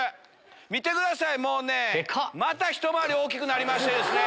見てくださいまたひと回り大きくなりましてですね。